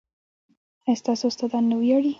ایا ستاسو استادان نه ویاړي؟